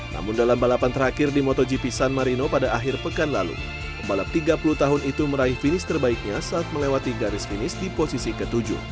namun dalam balapan terakhir di motogp san marino pada akhir pekan lalu pembalap tiga puluh tahun itu meraih finish terbaiknya saat melewati garis finish di posisi ke tujuh